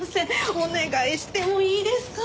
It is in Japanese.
お願いしてもいいですか？